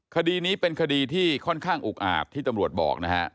คดีนี้เป็นคดีที่ค่อนข้างอุกอาจที่ตำรวจบอกนะฮะ